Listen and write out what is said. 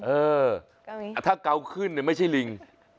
เออถ้าเกาขึ้นไม่ใช่ลิง